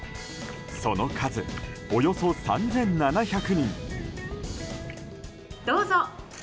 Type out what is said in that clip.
その数、およそ３７００人。